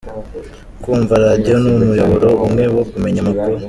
Kumva radiyo ni umuyoboro umwe wo kumenya amakuru.